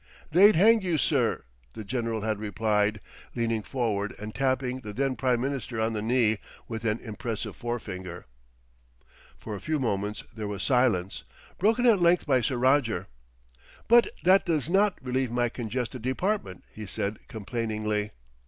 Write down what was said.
"They'd hang you, sir," the general had replied, leaning forward and tapping the then Prime Minister on the knee with an impressive forefinger. For a few moments there was silence, broken at length by Sir Roger. "But that does not relieve my congested Department," he said complainingly.